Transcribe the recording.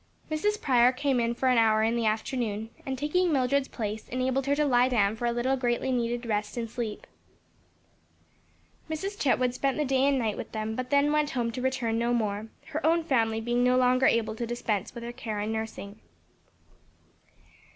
Mrs. Prior came in for an hour in the after noon, and taking Mildred's place enabled her to lie down for a little greatly needed rest and sleep. Mrs. Chetwood spent the day and night with them, but then went home to return no more, her own family being no longer able to dispense with her care and nursing.